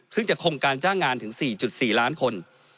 ซึ่งจะคงการจ้างงานถึง๔๔ล้านคน